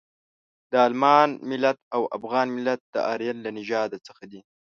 د المان ملت او افغان ملت د ارین له نژاده څخه دي.